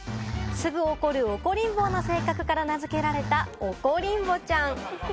すぐ怒る怒りんぼうな性格から名付けられた、おこリンボちゃん。